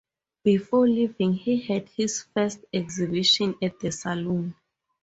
Before leaving, he had his first exhibition at the Salon.